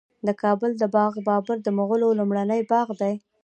د کابل د باغ بابر د مغلو لومړنی باغ دی